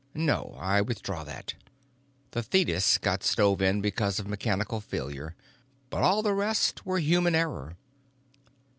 No; I withdraw that. The 'Thetis' got stove in because of mechanical failure, but all the rest were human error.